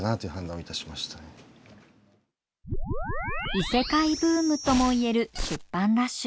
異世界ブームともいえる出版ラッシュ。